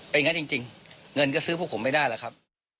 เป็นอย่างนั้นจริงเงินก็ซื้อพวกผมไม่ได้แล้วครับ